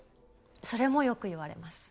それもよく言われます。